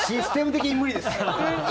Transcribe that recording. システム的に無理です。